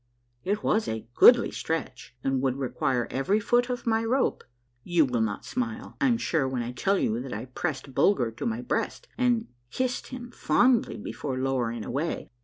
It was a goodly stretch, and would require every foot of my rope. You will not smile. I'm sure, when I tell you that I pressed Bulger to my breast, and kissed him fondly before lowering away.